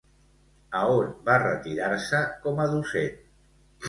A on va retirar-se com a docent?